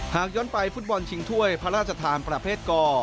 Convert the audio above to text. หากย้อนไปฟุตบอลชิงถ้วยพระราชทานประเภทก